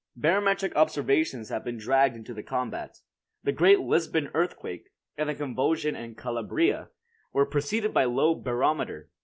Barometric observations have been dragged into the combat. The great Lisbon earthquake, and the convulsion in Calabria, were preceded by low barometer.